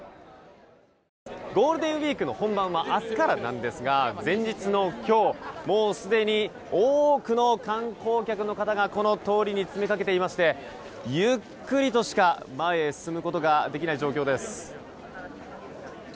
ゴールデンウィークの本番は明日からなんですが前日の今日もうすでに多くの観光客の方がこの通りに詰め掛けていましてゆっくりとしか前へ進むことができない状況です。